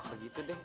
oh gitu deh